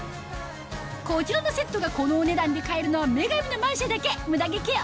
こちらのセットがこのお値段で買えるのは『女神のマルシェ』だけムダ毛ケア